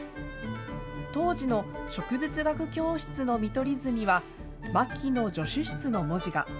当時の植物学教室の見取り図には、牧野助手室の文字が。